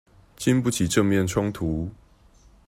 禁不起正面衝突